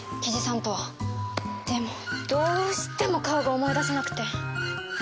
でもどうしても顔が思い出せなくて。